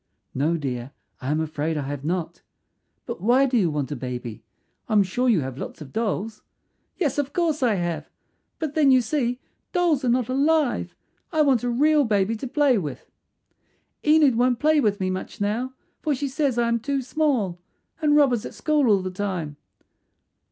"No, dear; I am afraid I have not. But why do you want a baby? I am sure you have lots of dolls." "Yes, of course I have; but then you see dolls are not alive. I want a real baby to play with. "Enid won't play with me much now, for she says I am too small, and Rob is at school all the time."